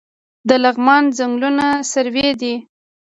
د لغمان ځنګلونه سروې دي